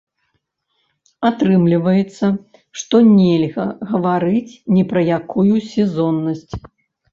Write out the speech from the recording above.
Атрымліваецца, што нельга гаварыць ні пра якую сезоннасць.